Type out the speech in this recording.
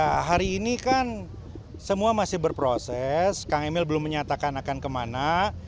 ya hari ini kan semua masih berproses kang emil belum menyatakan akan kemana